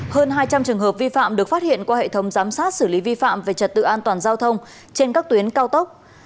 hơn hai trăm linh trường hợp vi phạm được phát hiện qua hệ thống giám sát xử lý vi phạm về trật tự an toàn giao thông trên các tuyến cao tốc